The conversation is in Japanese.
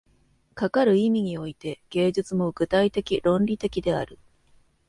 かかる意味において、芸術も具体的論理的である。